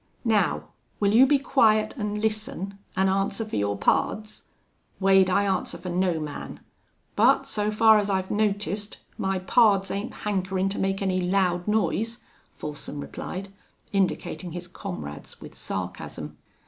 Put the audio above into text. Now, will you be quiet an' listen an' answer for your pards?" "Wade, I answer fer no man. But, so far as I've noticed, my pards ain't hankerin' to make any loud noise," Folsom replied, indicating his comrades, with sarcasm.